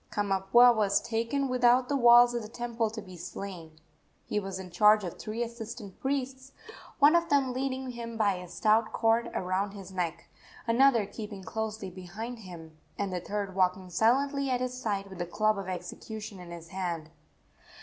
Kamapuaa was taken without the walls of the temple to be slain. He was in charge of three assistant priests, one of them leading him by a stout cord around his neck, another keeping closely behind him, and the third walking silently at his side with the club of execution in his hand.